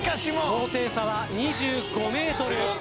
高低差は２５ｍ。